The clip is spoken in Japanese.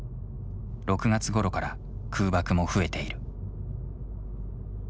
６月ごろから空爆も増えている。